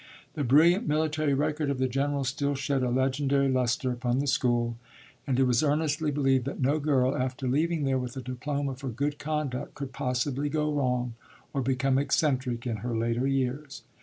The brilliant military record of the General still shed a legendary lustre upon the school, and it was earnestly believed that no girl, after leaving there with a diploma for good conduct, could possibly go wrong or become eccentric in her later years.